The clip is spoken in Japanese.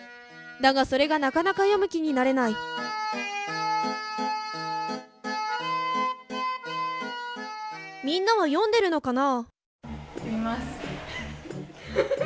だがそれがなかなか読む気になれないみんなは読んでるのかな？